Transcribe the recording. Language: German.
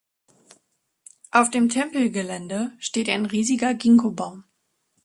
Auf dem Tempelgelände steht ein riesiger Ginkgo-Baum.